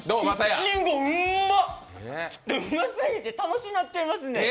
いちごうまっうますぎて楽しなっちゃいますね。